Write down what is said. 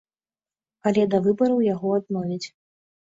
Але да выбараў яго адновяць.